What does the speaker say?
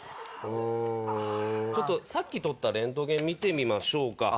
ちょっとさっき撮ったレントゲン見てみましょうか。